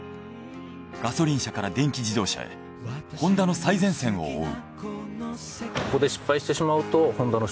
ガソリン車から電気自動車へホンダの最前線を追う。